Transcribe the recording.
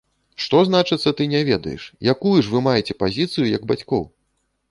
Што значыцца, ты не ведаеш, якую ж вы маеце пазіцыю як бацькоў?